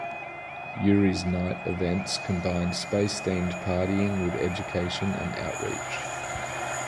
Yuri's Night events "combine space-themed partying with education and outreach".